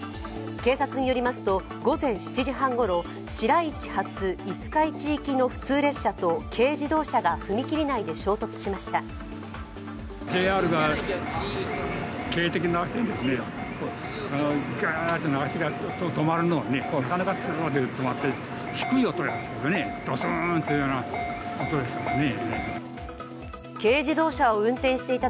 警察によりますと、午前７時半頃、白市発、五日市行きの普通列車と軽自動車が踏切内で衝突しました。